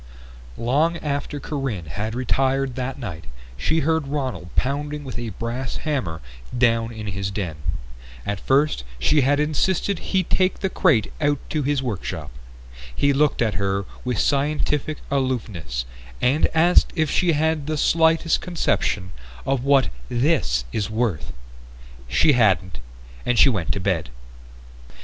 Long after Corinne had retired that night she heard Ronald pounding with a brass hammer down in his den. At first she had insisted he take the crate out to his workshop. He looked at her with scientific aloofness and asked if she had the slightest conception of what "this is worth?" She hadn't, and she went to bed.